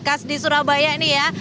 khas di surabaya ini ya